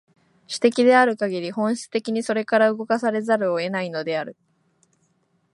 種的であるかぎり、本質的にそれから動かされざるを得ないのである。